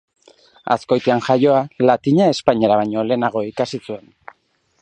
Azkoitian jaioa, latina espainiera baino lehenago ikasi zuen.